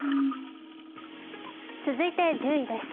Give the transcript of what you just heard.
続いて１０位です。